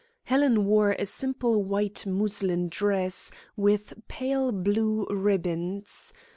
Helen wore a simple white muslin dress, with pale blue ribbons.